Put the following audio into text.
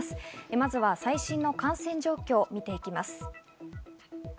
まずは最新の感染状況を見ていきます。